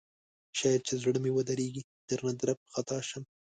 شاید چې زړه مې ودریږي درنه درب خطا شم